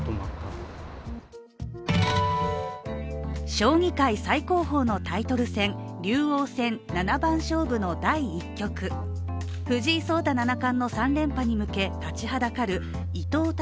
将棋界最高峰のタイトル戦、竜王戦七番勝負の第１局、藤井聡太七冠の３連覇に向け立ちはだかる伊藤匠